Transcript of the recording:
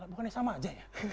bukannya sama aja ya